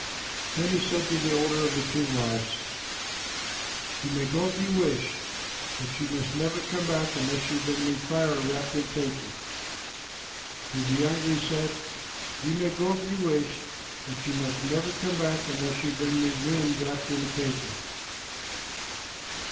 Then he said to the older of the two wives, "You may go if you wish, but you must never come back unless you bring me fire wrapped in paper." To the younger he said, "You may go if you wish, but you must never come back unless you bring me wind wrapped in paper."